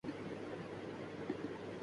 پاپا کو اِس بارے میں مت بتاؤ۔